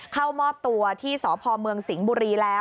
เข้ามอบตัวที่สพเมืองสิงห์บุรีแล้ว